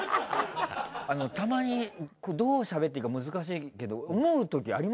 たまにどう喋っていいか難しいけど思うときあります？